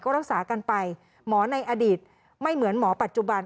รักษากันไปหมอในอดีตไม่เหมือนหมอปัจจุบัน